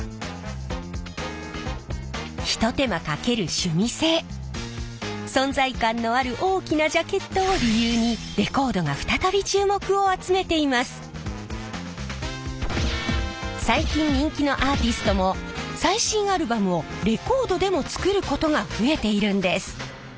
ひと手間かける趣味性存在感のある大きなジャケットを理由に最近人気のアーティストも最新アルバムをレコードでも作ることが増えているんです。